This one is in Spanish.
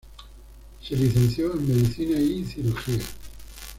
Se licenció en medicina y cirugía.